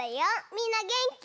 みんなげんき？